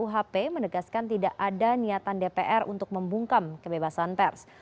kuhp menegaskan tidak ada niatan dpr untuk membungkam kebebasan pers